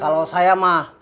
kalau saya mah